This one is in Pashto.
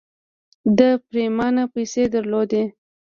ده پرېمانه پيسې درلودې.